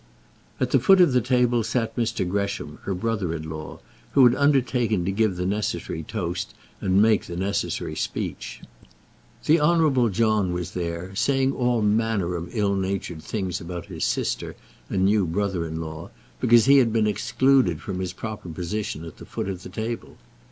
At the foot of the table sat Mr. Gresham, her brother in law, who had undertaken to give the necessary toast and make the necessary speech. The Honourable John was there, saying all manner of ill natured things about his sister and new brother in law, because he had been excluded from his proper position at the foot of the table.